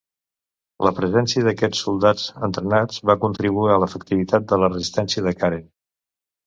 La presència d'aquests soldats entrenats va contribuir a l'efectivitat de la resistència de Karen.